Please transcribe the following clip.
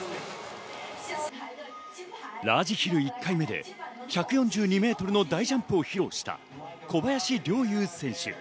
ラージヒル１回目で１４２メートルの大ジャンプを披露した小林陵侑選手。